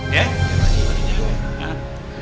jangan jangan jangan